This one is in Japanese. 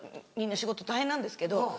みんな仕事大変なんですけど。